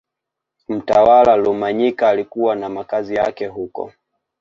Mtawala Rumanyika alikuwa na makazi yake huko